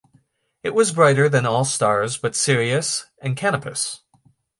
It was brighter than all stars but Sirius and Canopus.